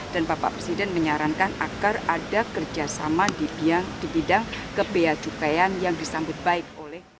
dan bapak presiden menyarankan agar ada kerjasama di bidang kebiayaan yang disambut baik oleh